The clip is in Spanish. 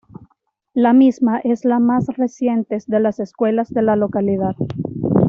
La misma es la más recientes de las escuelas de la localidad.